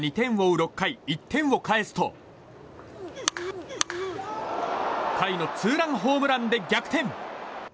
６回１点を返すと甲斐のツーランホームランで逆転。